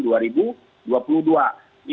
ini adalah jalan terakhir